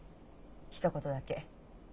ひと言だけ。